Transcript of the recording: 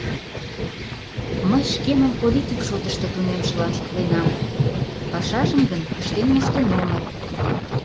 Мый шкемым политик шотышто тунемшылан шотленам, пашажым гын ыштен моштен омыл.